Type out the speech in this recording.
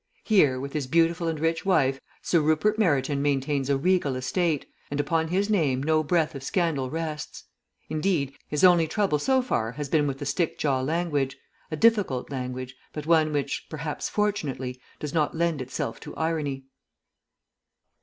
Here, with his beautiful and rich wife, Sir Rupert Meryton maintains a regal state, and upon his name no breath of scandal rests. Indeed, his only trouble so far has been with the Stickjaw language a difficult language, but one which, perhaps fortunately, does not lend itself to irony.